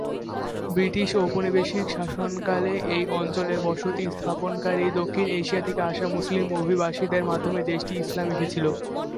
British ঔপনিবেশিক শাসনকালে এই অঞ্চলে বসতি স্থাপনকারী দক্ষিণ এশিয়া থেকে আসা মুসলিম অভিবাসীদের মাধ্যমে দেশটি ইসলাম এসেছিল।